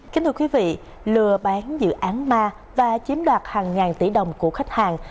kính thưa quý vị lừa bán dự án ma và chiếm đoạt hàng ngàn tỷ đồng của khách hàng